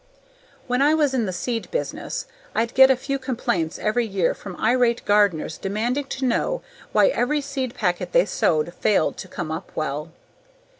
When I was in the seed business I'd get a few complaints every year from irate gardeners demanding to know why every seed packet they sowed failed to come up well.